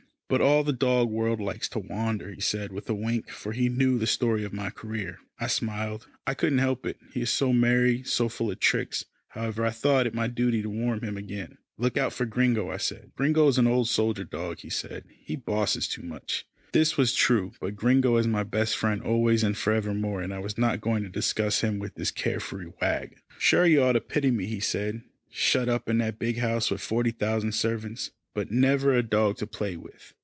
"But all the dog world likes to wander," he said with a wink, for he knew the story of my career. I smiled. I couldn't help it. He is so merry, so full of tricks. However, I thought it my duty to warn him again. "Look out for Gringo," I said. "Gringo is an old soldier dog," he said, "he bosses too much." This was true, but Gringo is my best friend always and forevermore, and I was not going to discuss him with this care free wag. "Sure you ought to pity me," he said, "shut up in that big house with forty thousand servants, but never a dog to play with."